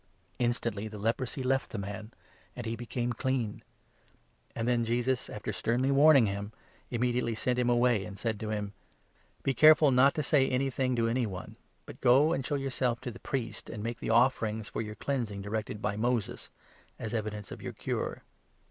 Instantly the leprosy left the man, and he became clean ; and 42, then Jesus, after sternly warning him, immediately sent him away, and said to him : 44 " Be careful not to say anything to any one ; but go and show yourself to the Priest, and make the offerings for your cleansing directed by Moses, as evidence of your cure."